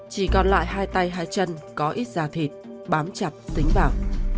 chỉ còn lại hai tay hai chân có ít da thịt bám chặt dính vào